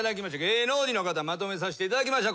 芸能人の方まとめさせていただきました。